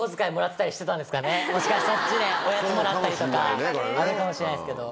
もしかしておやつもらったりとかあるかもしれないですけど。